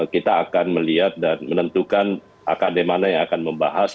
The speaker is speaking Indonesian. kita akan melihat dan menentukan akade mana yang akan membahas